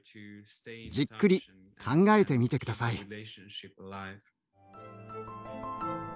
じっくり考えてみて下さい。